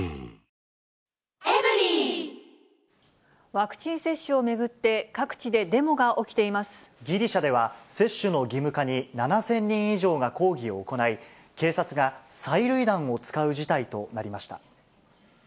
ワクチン接種を巡って、ギリシャでは、接種の義務化に７０００人以上が抗議を行い、警察が催涙弾を使う事態となりました。